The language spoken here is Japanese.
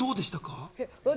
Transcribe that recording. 私、